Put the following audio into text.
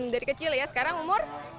dari kecil ya sekarang umur